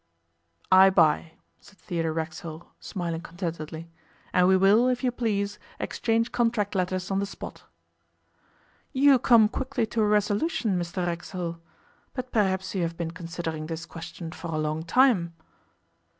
'I buy,' said Theodore Racksole, smiling contentedly; 'and we will, if you please, exchange contract letters on the spot.' 'You come quickly to a resolution, Mr Racksole. But perhaps you have been considering this question for a long time?